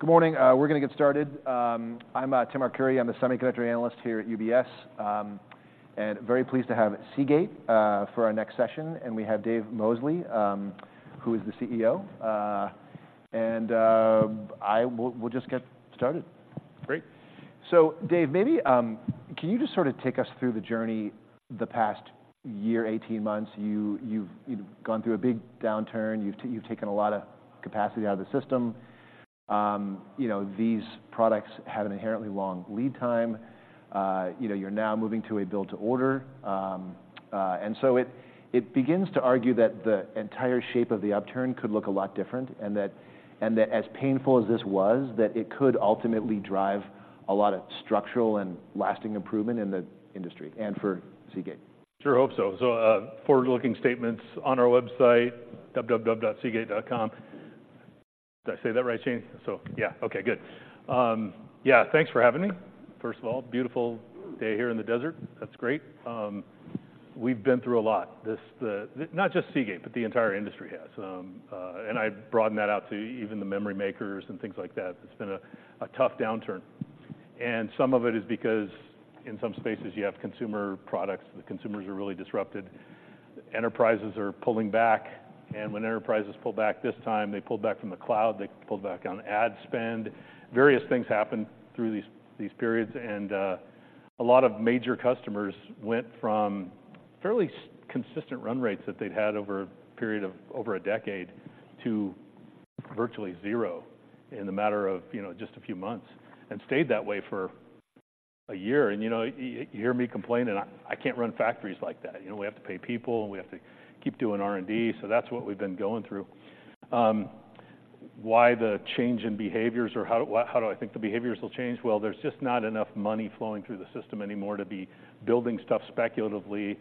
Good morning. We're gonna get started. I'm Tim Arcuri. I'm a semiconductor analyst here at UBS, and very pleased to have Seagate for our next session, and we have Dave Mosley, who is the CEO. We'll just get started. Great. So Dave, maybe can you just sort of take us through the journey the past year, 18 months? You, you've, you've gone through a big downturn. You've taken a lot of capacity out of the system. You know, these products have an inherently long lead time. You know, you're now moving to a build to order. And so it begins to argue that the entire shape of the upturn could look a lot different, and that as painful as this was, that it could ultimately drive a lot of structural and lasting improvement in the industry and for Seagate. Sure hope so. So, forward-looking statements on our website, www.seagate.com. Did I say that right, Shane? So, yeah. Okay, good. Yeah, thanks for having me, first of all. Beautiful day here in the desert. That's great. We've been through a lot. Not just Seagate, but the entire industry has. And I broaden that out to even the memory makers and things like that. It's been a tough downturn, and some of it is because in some spaces you have consumer products. The consumers are really disrupted. Enterprises are pulling back, and when enterprises pull back this time, they pulled back from the cloud, they pulled back on ad spend. Various things happened through these periods, and a lot of major customers went from fairly consistent run rates that they'd had over a period of over a decade to virtually zero in the matter of, you know, just a few months, and stayed that way for a year. You know, you hear me complaining, I can't run factories like that. You know, we have to pay people, and we have to keep doing R&D, so that's what we've been going through. Why the change in behaviors or how do I think the behaviors will change? Well, there's just not enough money flowing through the system anymore to be building stuff speculatively.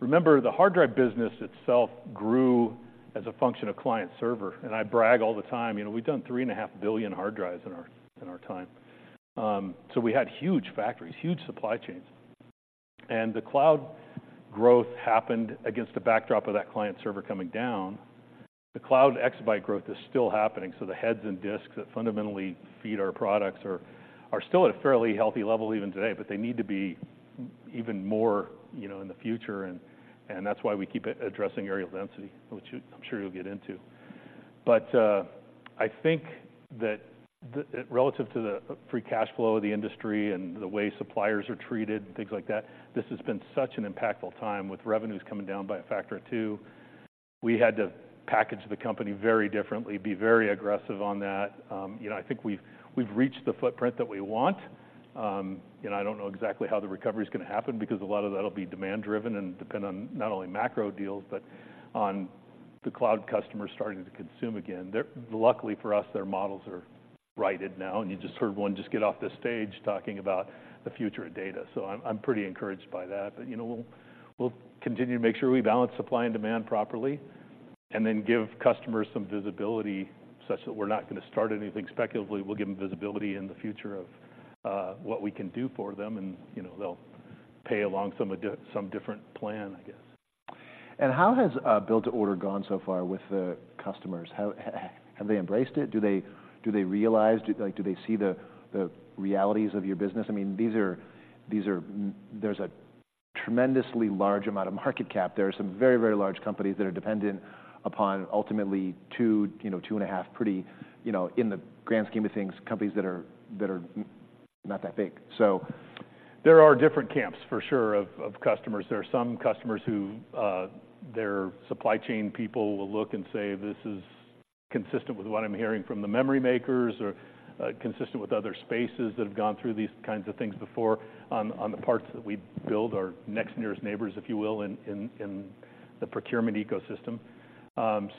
Remember, the hard drive business itself grew as a function of client server, and I brag all the time, you know, we've done 3.5 billion hard drives in our, in our time. So we had huge factories, huge supply chains, and the cloud growth happened against the backdrop of that client server coming down. The cloud exabyte growth is still happening, so the heads and disks that fundamentally feed our products are, are still at a fairly healthy level even today, but they need to be even more, you know, in the future, and, and that's why we keep addressing areal density, which I'm sure you'll get into. But, I think that the relative to the free cash flow of the industry and the way suppliers are treated and things like that, this has been such an impactful time with revenues coming down by a factor of two. We had to package the company very differently, be very aggressive on that. You know, I think we've, we've reached the footprint that we want. You know, I don't know exactly how the recovery's gonna happen because a lot of that'll be demand driven and depend on not only macro deals, but on the cloud customers starting to consume again. Their, luckily for us, their models are righted now, and you just heard one just get off the stage talking about the future of data, so I'm, I'm pretty encouraged by that. But, you know, we'll continue to make sure we balance supply and demand properly and then give customers some visibility such that we're not gonna start anything speculatively. We'll give them visibility in the future of what we can do for them, and, you know, they'll pay along some different plan, I guess. How has build to order gone so far with the customers? How have they embraced it? Do they realize, like, do they see the realities of your business? I mean, these are, there's a tremendously large amount of market cap. There are some very, very large companies that are dependent upon ultimately 2, you know, 2.5 pretty, you know, in the grand scheme of things, companies that are not that big, so. There are different camps, for sure, of customers. There are some customers who, their supply chain people will look and say, "This is consistent with what I'm hearing from the memory makers," or, consistent with other spaces that have gone through these kinds of things before on the parts that we build, our next nearest neighbors, if you will, in the procurement ecosystem.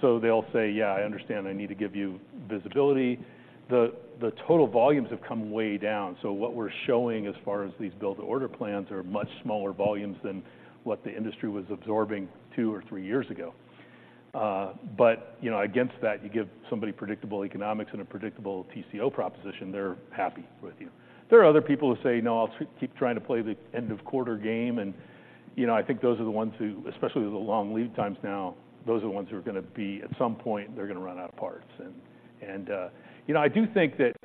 So they'll say, "Yeah, I understand. I need to give you visibility." The total volumes have come way down, so what we're showing as far as these build-to-order plans are much smaller volumes than what the industry was absorbing two or three years ago. But, you know, against that, you give somebody predictable economics and a predictable TCO proposition, they're happy with you. There are other people who say, "No, I'll keep trying to play the end of quarter game," and, you know, I think those are the ones who, especially with the long lead times now, those are the ones who are gonna be at some point, they're gonna run out of parts. And, you know, I do think that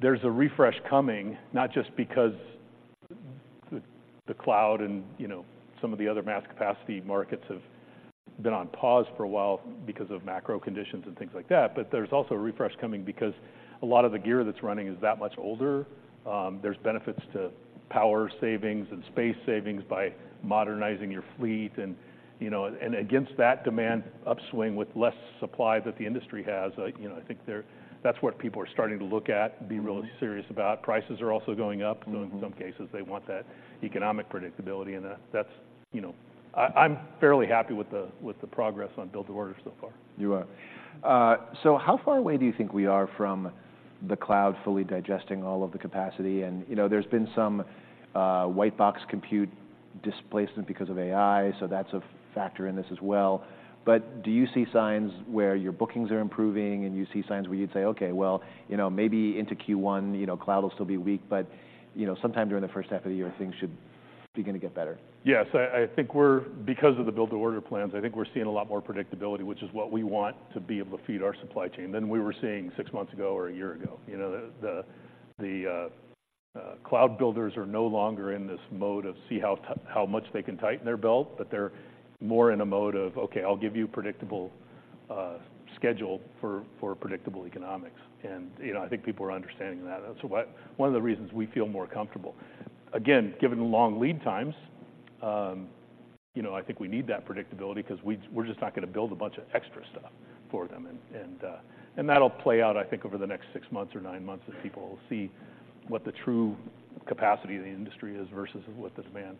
there's a refresh coming, not just because the cloud and, you know, some of the other mass capacity markets have been on pause for a while because of macro conditions and things like that, but there's also a refresh coming because a lot of the gear that's running is that much older. There's benefits to power savings and space savings by modernizing your fleet and, you know, and against that demand upswing with less supply that the industry has, you know, I think that's what people are starting to look at. Mm-hmm... and be really serious about. Prices are also going up- Mm-hmm... so in some cases, they want that economic predictability, and that's, you know... I'm fairly happy with the progress on build to order so far. You are. So how far away do you think we are from the cloud fully digesting all of the capacity? And, you know, there's been some white box compute displacement because of AI, so that's a factor in this as well. But do you see signs where your bookings are improving, and you see signs where you'd say, "Okay, well, you know, maybe into Q1, you know, cloud will still be weak, but, you know, sometime during the first half of the year, things should-"... beginning to get better? Yes, I think we're because of the build-to-order plans, I think we're seeing a lot more predictability, which is what we want to be able to feed our supply chain, than we were seeing six months ago or a year ago. You know, the cloud builders are no longer in this mode of how much they can tighten their belt, but they're more in a mode of, "Okay, I'll give you predictable schedule for predictable economics." You know, I think people are understanding that. That's one of the reasons we feel more comfortable. Again, given the long lead times, you know, I think we need that predictability 'cause we're just not going to build a bunch of extra stuff for them. And that'll play out, I think, over the next six months or nine months, as people will see what the true capacity of the industry is versus with the demand.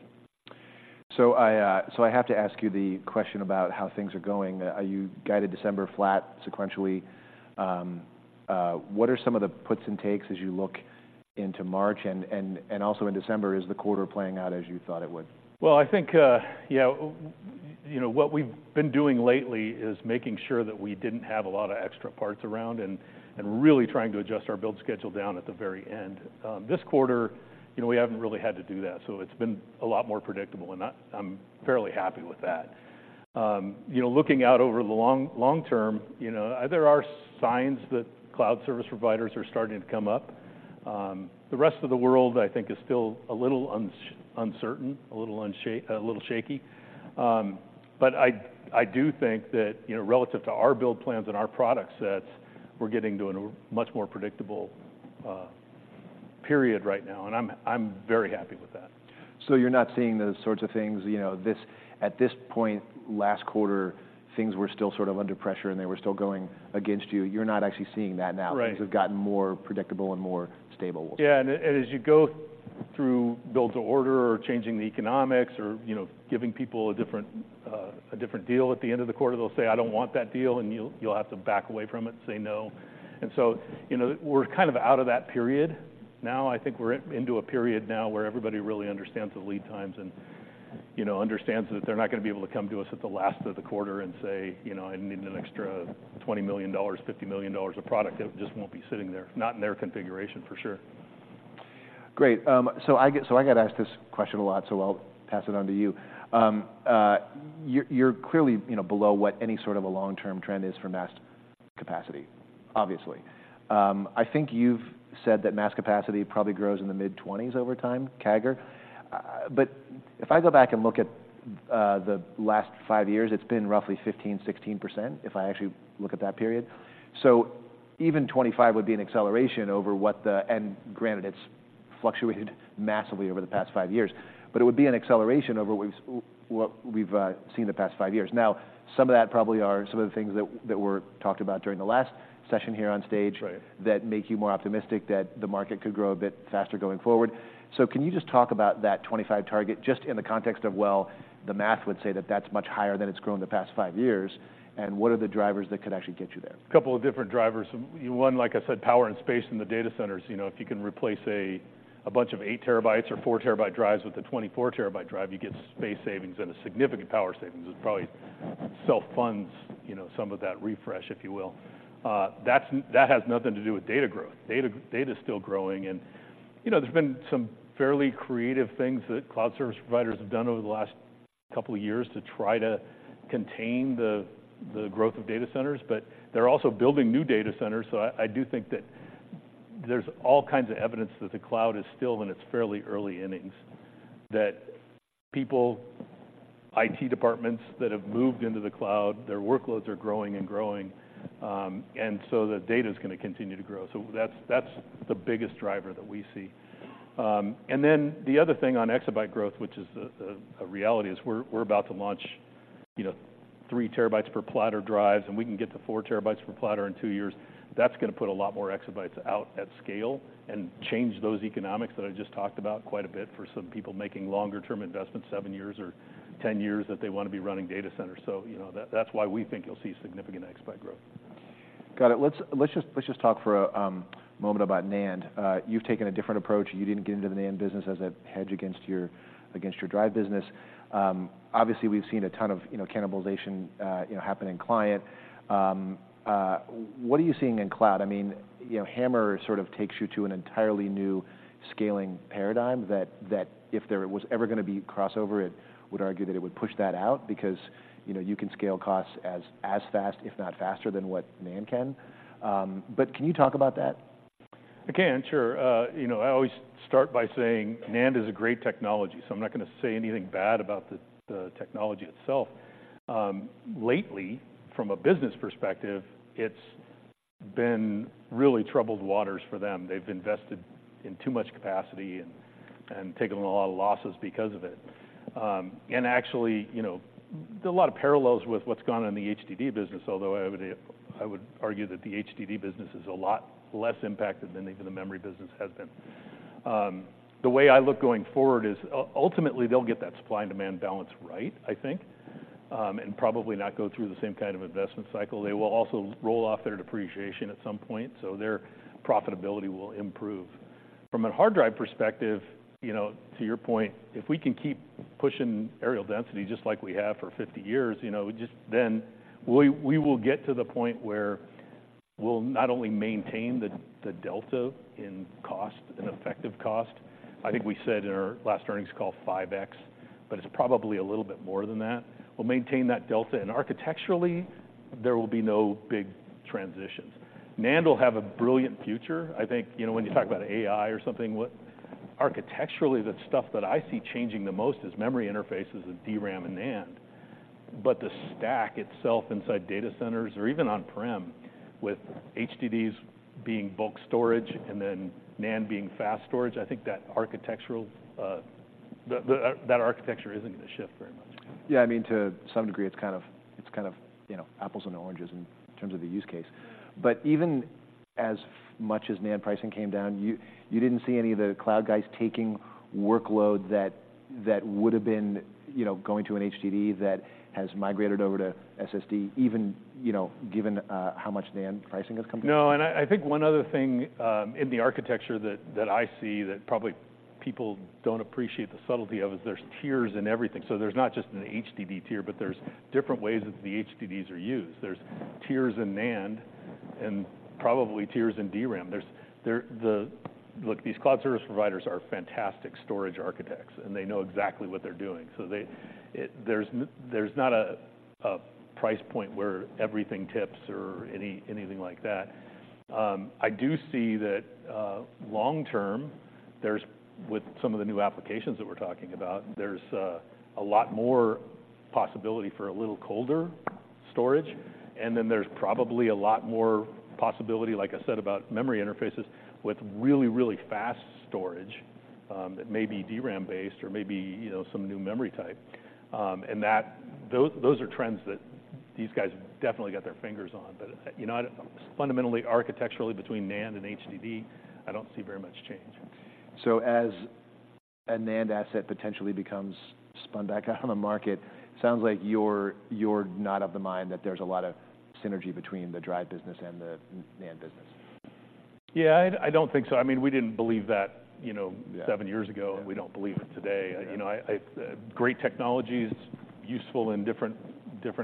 So I have to ask you the question about how things are going. You guided December flat sequentially. What are some of the puts and takes as you look into March? And also in December, is the quarter playing out as you thought it would? Well, I think, you know, what we've been doing lately is making sure that we didn't have a lot of extra parts around, and really trying to adjust our build schedule down at the very end. This quarter, you know, we haven't really had to do that, so it's been a lot more predictable, and I'm fairly happy with that. You know, looking out over the long, long term, you know, there are signs that cloud service providers are starting to come up. The rest of the world, I think, is still a little uncertain, a little shaky. But I do think that, you know, relative to our build plans and our product sets, we're getting to a much more predictable period right now, and I'm very happy with that. So you're not seeing those sorts of things, you know. At this point last quarter, things were still sort of under pressure, and they were still going against you. You're not actually seeing that now? Right. Things have gotten more predictable and more stable. Yeah, and as you go through build to order or changing the economics or, you know, giving people a different, a different deal at the end of the quarter, they'll say, "I don't want that deal," and you'll have to back away from it and say, "No." And so, you know, we're kind of out of that period now. I think we're in, into a period now where everybody really understands the lead times and, you know, understands that they're not going to be able to come to us at the last of the quarter and say, you know, "I need an extra $20 million, $50 million of product." It just won't be sitting there, not in their configuration, for sure. Great. So I get, so I get asked this question a lot, so I'll pass it on to you. You're, you're clearly, you know, below what any sort of a long-term trend is for mass capacity, obviously. I think you've said that mass capacity probably grows in the mid-20% over time, CAGR. But if I go back and look at the last five years, it's been roughly 15%, 16%, if I actually look at that period. So even 25% would be an acceleration over what the... and granted, it's fluctuated massively over the past five years, but it would be an acceleration over what we've seen the past five years. Now, some of that probably are some of the things that were talked about during the last session here on stage- Right... that make you more optimistic that the market could grow a bit faster going forward. So can you just talk about that 25 target, just in the context of, well, the math would say that that's much higher than it's grown in the past five years, and what are the drivers that could actually get you there? A couple of different drivers. One, like I said, power and space in the data centers. You know, if you can replace a bunch of 8 TB or 4-TB drives with a 24-TB drive, you get space savings and a significant power savings. It probably self-funds, you know, some of that refresh, if you will. That has nothing to do with data growth. Data is still growing. And, you know, there's been some fairly creative things that cloud service providers have done over the last couple of years to try to contain the growth of data centers, but they're also building new data centers. So I do think that there's all kinds of evidence that the cloud is still in its fairly early innings, that people, IT departments that have moved into the cloud, their workloads are growing and growing. And so the data is going to continue to grow. So that's the biggest driver that we see. And then the other thing on exabyte growth, which is a reality, is we're about to launch, you know, 3 TB per platter drives, and we can get to 4 TB per platter in two years. That's going to put a lot more exabytes out at scale and change those economics that I just talked about quite a bit for some people making longer term investments, seven years or 10 years, that they want to be running data centers. So, you know, that's why we think you'll see significant exabyte growth. Got it. Let's, let's just, let's just talk for a moment about NAND. You've taken a different approach, and you didn't get into the NAND business as a hedge against your, against your drive business. Obviously, we've seen a ton of, you know, cannibalization, you know, happen in client. What are you seeing in cloud? I mean, you know, HAMR sort of takes you to an entirely new scaling paradigm that, that if there was ever going to be crossover, it would argue that it would push that out because, you know, you can scale costs as, as fast, if not faster, than what NAND can. But can you talk about that? I can, sure. You know, I always start by saying NAND is a great technology, so I'm not going to say anything bad about the, the technology itself. Lately, from a business perspective, it's been really troubled waters for them. They've invested in too much capacity and, and taken a lot of losses because of it. And actually, you know, there are a lot of parallels with what's gone on in the HDD business, although I would, I would argue that the HDD business is a lot less impacted than even the memory business has been. The way I look going forward is ultimately, they'll get that supply and demand balance right, I think, and probably not go through the same kind of investment cycle. They will also roll off their depreciation at some point, so their profitability will improve. From a hard drive perspective, you know, to your point, if we can keep pushing areal density just like we have for 50 years, you know, just then we will get to the point where we'll not only maintain the delta in cost, in effective cost. I think we said in our last earnings call, 5x, but it's probably a little bit more than that. We'll maintain that delta, and architecturally, there will be no big transitions. NAND will have a brilliant future. I think, you know, when you talk about AI or something, what, architecturally, the stuff that I see changing the most is memory interfaces of DRAM and NAND. But the stack itself inside data centers or even on-prem, with HDDs being bulk storage and then NAND being fast storage, I think that architectural, that architecture isn't going to shift very much. Yeah, I mean, to some degree, it's kind of, you know, apples and oranges in terms of the use case. But even as much as NAND pricing came down, you didn't see any of the cloud guys taking workload that would've been, you know, going to an HDD that has migrated over to SSD, even, you know, given how much NAND pricing has come down? No, and I, I think one other thing, in the architecture that I see that probably people don't appreciate the subtlety of, is there's tiers in everything. So there's not just an HDD tier, but there's different ways that the HDDs are used. There's tiers in NAND and probably tiers in DRAM. Look, these cloud service providers are fantastic storage architects, and they know exactly what they're doing, so they, there's not a price point where everything tips or anything like that. I do see that, long term, there's, with some of the new applications that we're talking about, there's, a lot more possibility for a little colder storage, and then there's probably a lot more possibility, like I said, about memory interfaces, with really, really fast storage, that may be DRAM-based or maybe, you know, some new memory type. And that those, those are trends that these guys have definitely got their fingers on. But, you know, fundamentally, architecturally, between NAND and HDD, I don't see very much change. So as a NAND asset potentially becomes spun back out on the market, sounds like you're, you're not of the mind that there's a lot of synergy between the drive business and the NAND business. Yeah, I don't think so. I mean, we didn't believe that, you know- Yeah... seven years ago, and we don't believe it today. Yeah. You know, great technology is useful in different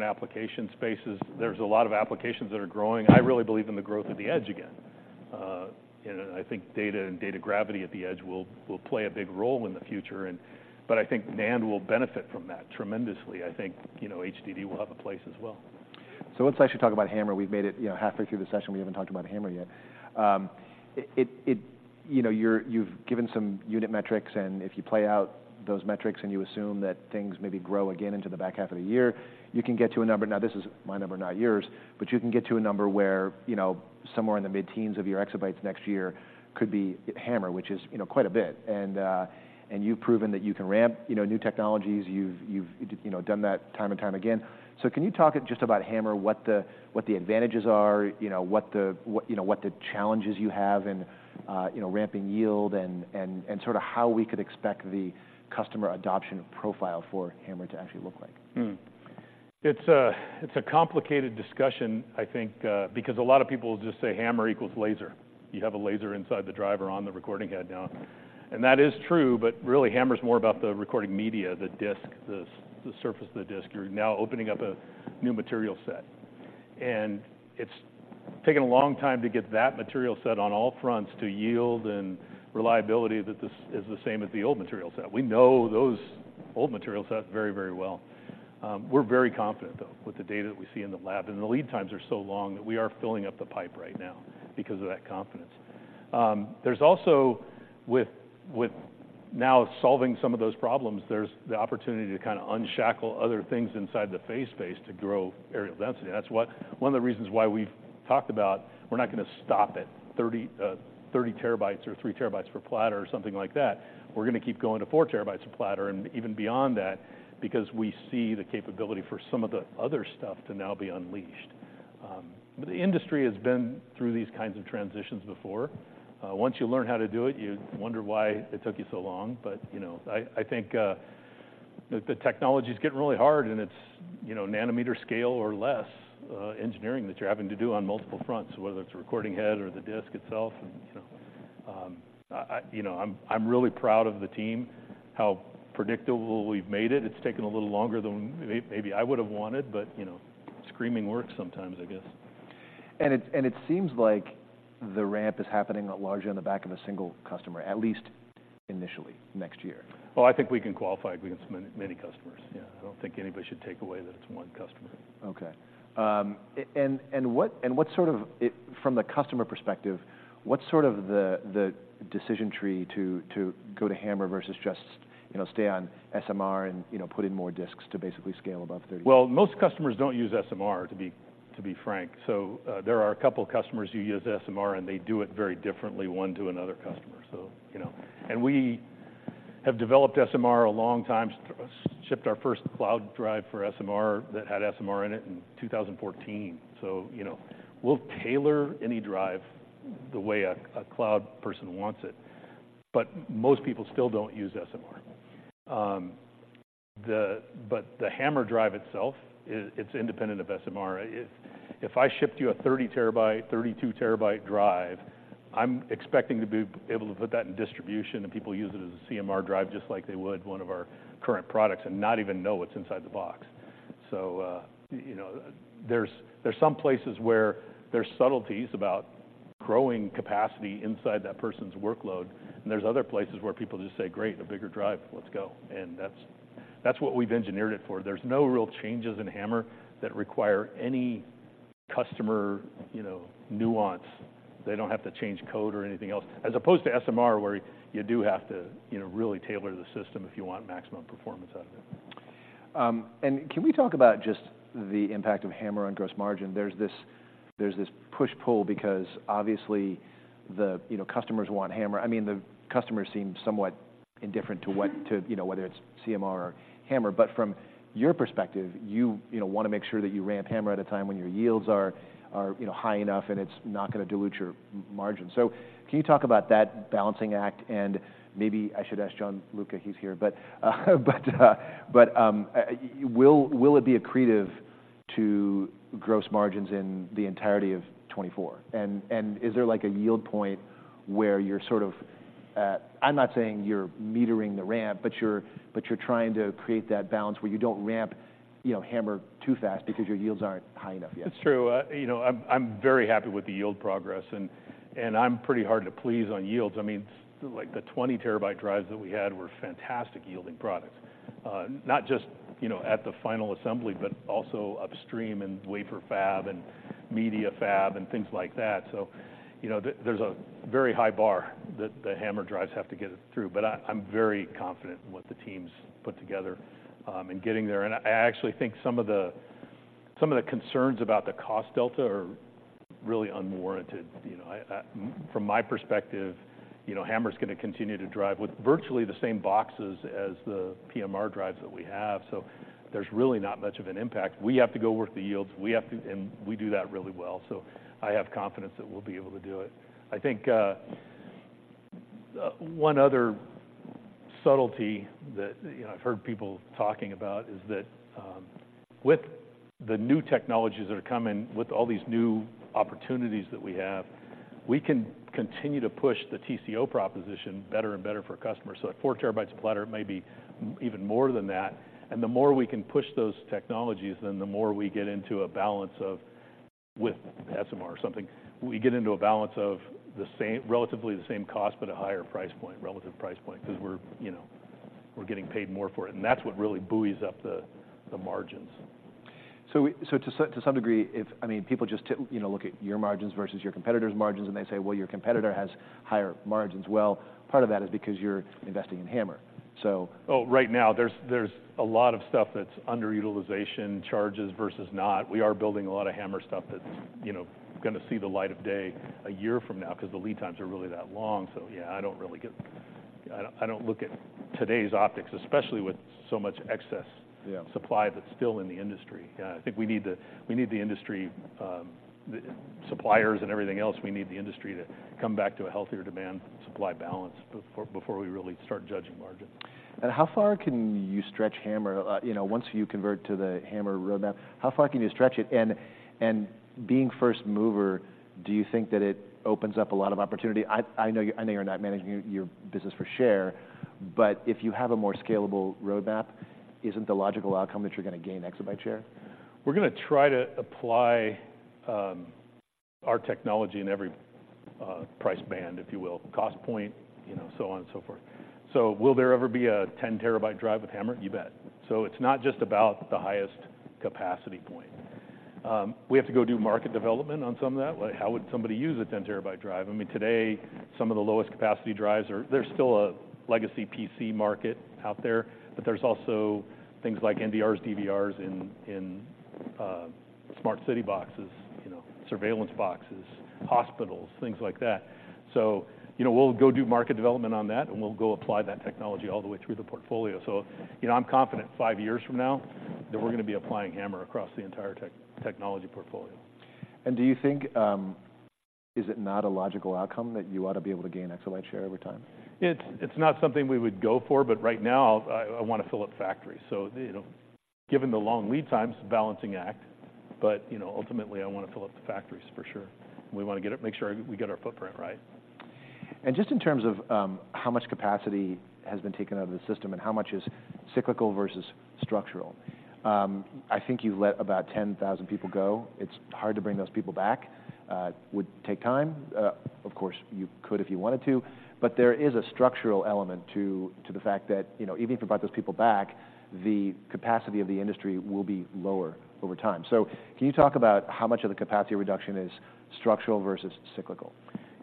application spaces. There's a lot of applications that are growing. I really believe in the growth of the edge again. And I think data and data gravity at the edge will play a big role in the future. But I think NAND will benefit from that tremendously. I think, you know, HDD will have a place as well. So let's actually talk about HAMR. We've made it, you know, halfway through the session, we haven't talked about HAMR yet. It, you know, you've given some unit metrics, and if you play out those metrics, and you assume that things maybe grow again into the back half of the year, you can get to a number. Now, this is my number, not yours, but you can get to a number where, you know, somewhere in the mid-teens of your exabytes next year could be HAMR, which is, you know, quite a bit. And you've proven that you can ramp, you know, new technologies, you've done that time and time again. Can you talk just about HAMR, what the advantages are, you know, what the challenges you have in, you know, ramping yield and sort of how we could expect the customer adoption profile for HAMR to actually look like? Hmm. It's a, it's a complicated discussion, I think, because a lot of people just say HAMR equals laser. You have a laser inside the drive on the recording head now. And that is true, but really, HAMR is more about the recording media, the disk, the surface of the disk. You're now opening up a new material set. And it's taken a long time to get that material set on all fronts to yield and reliability, that this is the same as the old material set. We know those old material sets very, very well. We're very confident, though, with the data that we see in the lab, and the lead times are so long that we are filling up the pipe right now because of that confidence. There's also, with now solving some of those problems, there's the opportunity to kind of unshackle other things inside the phase space to grow areal density. That's what one of the reasons why we've talked about, we're not gonna stop at 30 TB or 3 TB per platter or something like that. We're gonna keep going to 4 TB per platter and even beyond that, because we see the capability for some of the other stuff to now be unleashed. But the industry has been through these kinds of transitions before. Once you learn how to do it, you wonder why it took you so long. But, you know, I think the technology is getting really hard, and it's, you know, nanometer scale or less engineering that you're having to do on multiple fronts, whether it's a recording head or the disk itself. And, you know, I, you know, I'm really proud of the team, how predictable we've made it. It's taken a little longer than maybe I would have wanted, but, you know, screaming works sometimes, I guess. It seems like the ramp is happening largely on the back of a single customer, at least initially, next year. Well, I think we can qualify against many, many customers. Yeah, I don't think anybody should take away that it's one customer. Okay. From the customer perspective, what's the decision tree to go to HAMR versus just, you know, stay on SMR and, you know, put in more disks to basically scale above 30? Well, most customers don't use SMR, to be frank. So, there are a couple of customers who use SMR, and they do it very differently, one to another customer, so, you know. And we have developed SMR a long time, shipped our first cloud drive for SMR, that had SMR in it in 2014. So, you know, we'll tailor any drive the way a cloud person wants it, but most people still don't use SMR. But the HAMR drive itself, it's independent of SMR. If I shipped you a 30 TB, 32 TB drive. I'm expecting to be able to put that in distribution, and people use it as a CMR drive, just like they would one of our current products, and not even know what's inside the box. So, you know, there's some places where there's subtleties about growing capacity inside that person's workload, and there's other places where people just say, "Great, a bigger drive. Let's go." And that's what we've engineered it for. There's no real changes in HAMR that require any customer, you know, nuance. They don't have to change code or anything else, as opposed to SMR, where you do have to, you know, really tailor the system if you want maximum performance out of it. And can we talk about just the impact of HAMR on gross margin? There's this push-pull because, obviously, you know, customers want HAMR. I mean, the customers seem somewhat indifferent to what to, you know, whether it's CMR or HAMR. But from your perspective, you know, want to make sure that you ramp HAMR at a time when your yields are, you know, high enough, and it's not going to dilute your margin. So can you talk about that balancing act? And maybe I should ask Gianluca, he's here. But will it be accretive to gross margins in the entirety of 2024? Is there, like, a yield point where you're sort of, I'm not saying you're metering the ramp, but you're trying to create that balance where you don't ramp, you know, HAMR too fast because your yields aren't high enough yet? It's true. You know, I'm very happy with the yield progress, and I'm pretty hard to please on yields. I mean, like, the 20 TB drives that we had were fantastic yielding products, not just, you know, at the final assembly, but also upstream in wafer fab and media fab and things like that. So, you know, there's a very high bar that the HAMR drives have to get it through. But I'm very confident in what the team's put together, in getting there. And I actually think some of the, some of the concerns about the cost delta are really unwarranted. You know, from my perspective, you know, HAMR's going to continue to drive with virtually the same boxes as the PMR drives that we have, so there's really not much of an impact. We have to go work the yields. And we do that really well, so I have confidence that we'll be able to do it. I think one other subtlety that, you know, I've heard people talking about is that with the new technologies that are coming, with all these new opportunities that we have, we can continue to push the TCO proposition better and better for customers. So at 4 TB a platter, it may be even more than that. And the more we can push those technologies, then the more we get into a balance of with SMR or something. We get into a balance of the same relatively the same cost, but a higher price point, relative price point, 'cause we're, you know, we're getting paid more for it, and that's what really buoys up the margins. So to some degree, I mean, people just you know look at your margins versus your competitor's margins, and they say, "Well, your competitor has higher margins." Well, part of that is because you're investing in HAMR, so- Oh, right now, there's a lot of stuff that's underutilization charges versus not. We are building a lot of HAMR stuff that's, you know, going to see the light of day a year from now because the lead times are really that long. So yeah, I don't really get... I don't look at today's optics, especially with so much excess- Yeah... supply that's still in the industry. Yeah, I think we need the industry, the suppliers and everything else. We need the industry to come back to a healthier demand-supply balance before we really start judging margin. How far can you stretch HAMR? You know, once you convert to the HAMR roadmap, how far can you stretch it? And being first mover, do you think that it opens up a lot of opportunity? I know you, I know you're not managing your business for share, but if you have a more scalable roadmap, isn't the logical outcome that you're going to gain exabyte share? We're going to try to apply our technology in every price band, if you will, cost point, you know, so on and so forth. So will there ever be a 10 TB drive with HAMR? You bet. So it's not just about the highest capacity point. We have to go do market development on some of that. Like, how would somebody use a 10 TB drive? I mean, today, some of the lowest capacity drives are. There's still a legacy PC market out there, but there's also things like NVRs, DVRs in smart city boxes, you know, surveillance boxes, hospitals, things like that. So, you know, we'll go do market development on that, and we'll go apply that technology all the way through the portfolio. So, you know, I'm confident five years from now, that we're going to be applying HAMR across the entire technology portfolio. Do you think, is it not a logical outcome that you ought to be able to gain exabyte share over time? It's not something we would go for, but right now I want to fill up factories. So, you know, given the long lead times, balancing act, but, you know, ultimately, I want to fill up the factories for sure. We want to get it, make sure we get our footprint right. Just in terms of how much capacity has been taken out of the system and how much is cyclical versus structural, I think you've let about 10,000 people go. It's hard to bring those people back. It would take time. Of course, you could if you wanted to, but there is a structural element to the fact that, you know, even if you brought those people back, the capacity of the industry will be lower over time. So can you talk about how much of the capacity reduction is structural versus cyclical?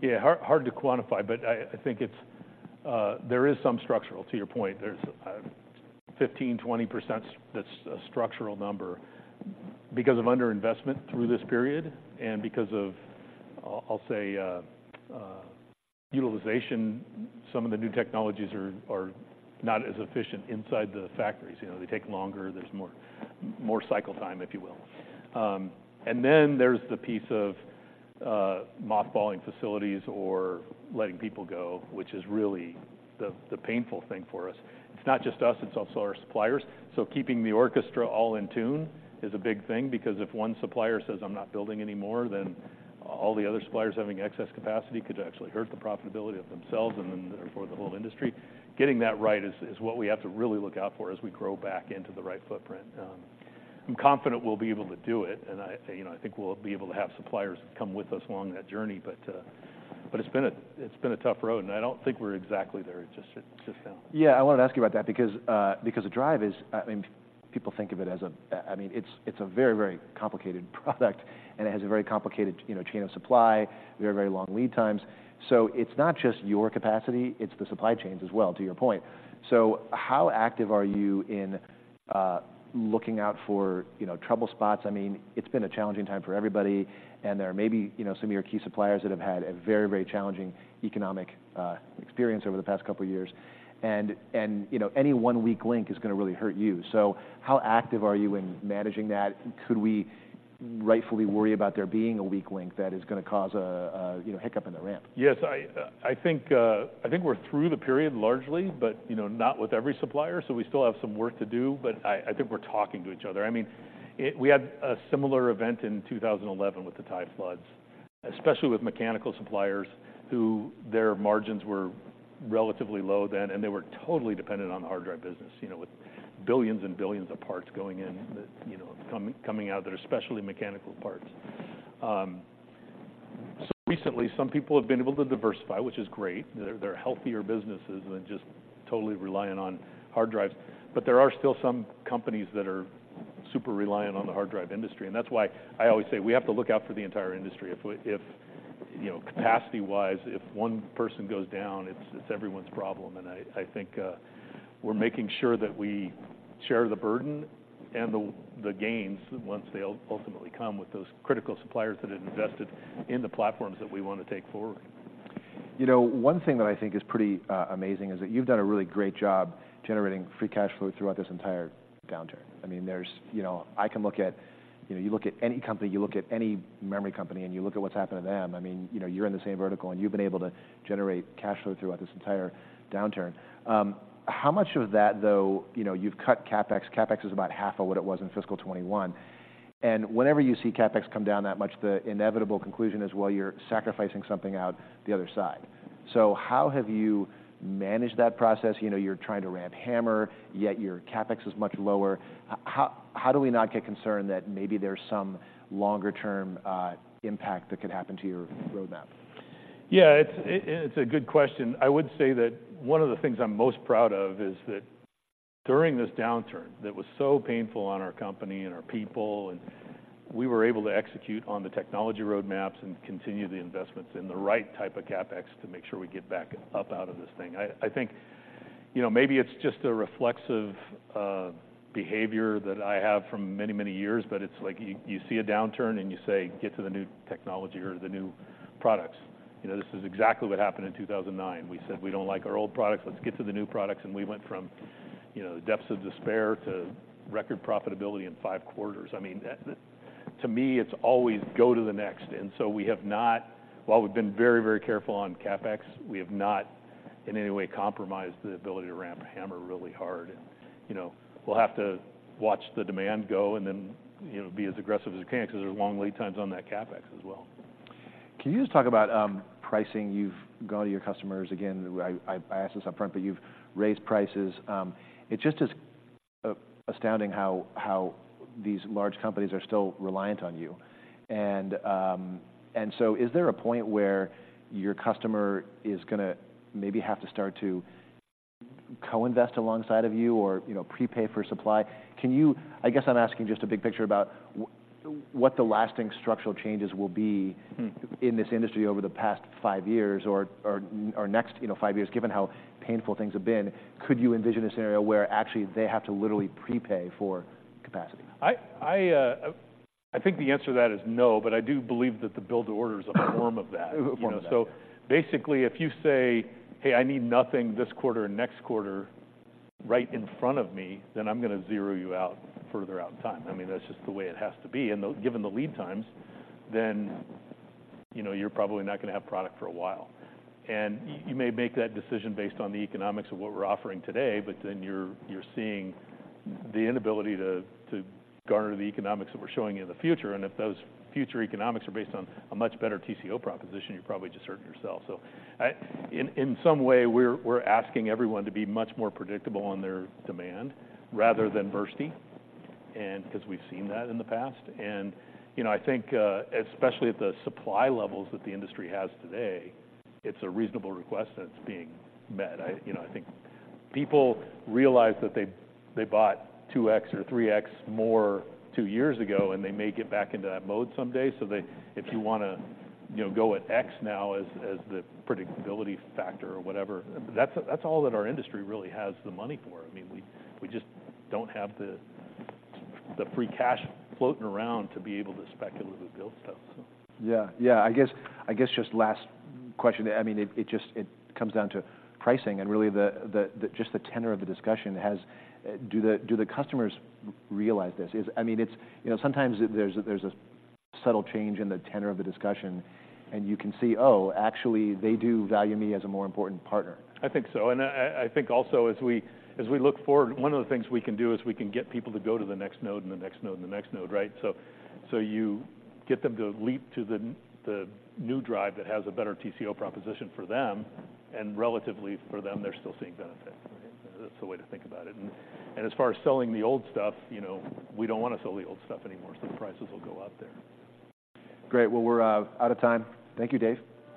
Yeah, hard to quantify, but I think it's there is some structural, to your point. There's 15%-20% that's a structural number because of underinvestment through this period and because of, I'll say, utilization. Some of the new technologies are not as efficient inside the factories. You know, they take longer. There's more cycle time, if you will. And then there's the piece of mothballing facilities or letting people go, which is really the painful thing for us. It's not just us, it's also our suppliers. So keeping the orchestra all in tune is a big thing, because if one supplier says, "I'm not building anymore," then all the other suppliers having excess capacity could actually hurt the profitability of themselves and then, therefore, the whole industry. Getting that right is what we have to really look out for as we grow back into the right footprint. I'm confident we'll be able to do it, and I, you know, I think we'll be able to have suppliers come with us along that journey. But it's been a tough road, and I don't think we're exactly there just yet. Yeah, I wanted to ask you about that because a drive is, I mean, it's, it's a very, very complicated product, and it has a very complicated, you know, chain of supply, very, very long lead times. So it's not just your capacity, it's the supply chains as well, to your point. So how active are you in looking out for, you know, trouble spots? I mean, it's been a challenging time for everybody, and there may be, you know, some of your key suppliers that have had a very, very challenging economic experience over the past couple of years. And, you know, any one weak link is gonna really hurt you. So how active are you in managing that? Could we rightfully worry about there being a weak link that is gonna cause a, you know, hiccup in the ramp? Yes. I think we're through the period largely, but, you know, not with every supplier, so we still have some work to do. But I think we're talking to each other. I mean, it, we had a similar event in 2011 with the Thai floods, especially with mechanical suppliers, who their margins were relatively low then, and they were totally dependent on the hard drive business, you know, with billions and billions of parts going in, you know, coming out, especially mechanical parts. So recently, some people have been able to diversify, which is great. They're healthier businesses than just totally reliant on hard drives. But there are still some companies that are super reliant on the hard drive industry, and that's why I always say we have to look out for the entire industry. If, you know, capacity-wise, if one person goes down, it's everyone's problem, and I think we're making sure that we share the burden and the gains once they ultimately come with those critical suppliers that have invested in the platforms that we want to take forward. You know, one thing that I think is pretty amazing is that you've done a really great job generating free cash flow throughout this entire downturn. I mean, there's, you know, I can look at, you know, you look at any company, you look at any memory company, and you look at what's happened to them. I mean, you know, you're in the same vertical, and you've been able to generate cash flow throughout this entire downturn. How much of that, though, you know, you've cut CapEx. CapEx is about half of what it was in fiscal 2021. Whenever you see CapEx come down that much, the inevitable conclusion is, well, you're sacrificing something out the other side. So how have you managed that process? You know, you're trying to ramp HAMR, yet your CapEx is much lower. How, how do we not get concerned that maybe there's some longer-term impact that could happen to your roadmap? Yeah, it's a good question. I would say that one of the things I'm most proud of is that during this downturn, that was so painful on our company and our people, and we were able to execute on the technology roadmaps and continue the investments in the right type of CapEx to make sure we get back up out of this thing. I think, you know, maybe it's just a reflexive behavior that I have from many, many years, but it's like you see a downturn, and you say, "Get to the new technology or the new products." You know, this is exactly what happened in 2009. We said, "We don't like our old products. Let's get to the new products," and we went from, you know, the depths of despair to record profitability in five quarters. I mean, that to me, it's always go to the next. And so we have not, while we've been very, very careful on CapEx, we have not in any way compromised the ability to ramp HAMR really hard. And, you know, we'll have to watch the demand go and then, you know, be as aggressive as we can because there's long lead times on that CapEx as well. Can you just talk about pricing? You've gone to your customers, again, I asked this upfront, but you've raised prices. It's just as astounding how these large companies are still reliant on you. And, and so is there a point where your customer is gonna maybe have to start to co-invest alongside of you or, you know, prepay for supply? Can you—I guess I'm asking just a big picture about what the lasting structural changes will be- Mm-hmm... in this industry over the past five years or next, you know, five years. Given how painful things have been, could you envision a scenario where actually they have to literally prepay for capacity? I think the answer to that is no, but I do believe that the build to order is a form of that. A form of that. So basically, if you say, "Hey, I need nothing this quarter or next quarter," right in front of me, then I'm gonna zero you out further out in time. I mean, that's just the way it has to be. And given the lead times, then, you know, you're probably not gonna have product for a while. And you may make that decision based on the economics of what we're offering today, but then you're seeing the inability to garner the economics that we're showing you in the future. And if those future economics are based on a much better TCO proposition, you're probably just hurting yourself. So in some way, we're asking everyone to be much more predictable on their demand rather than bursty, and because we've seen that in the past. And, you know, I think, especially at the supply levels that the industry has today, it's a reasonable request that's being met. I, you know, I think people realize that they, they bought 2x or 3x more two years ago, and they may get back into that mode someday. So they, if you wanna, you know, go at x now as, as the predictability factor or whatever, that's, that's all that our industry really has the money for. I mean, we, we just don't have the, the free cash floating around to be able to speculatively build stuff, so. Yeah. Yeah, I guess just last question, I mean, it just comes down to pricing and really just the tenor of the discussion has... Do the customers realize this? I mean, it's, you know, sometimes there's a subtle change in the tenor of the discussion, and you can see, oh, actually, they do value me as a more important partner. I think so. I think also as we look forward, one of the things we can do is we can get people to go to the next node, and the next node, and the next node, right? So you get them to leap to the new drive that has a better TCO proposition for them, and relatively for them, they're still seeing benefit. That's the way to think about it. And as far as selling the old stuff, you know, we don't want to sell the old stuff anymore, so prices will go up there. Great. Well, we're out of time. Thank you, Dave.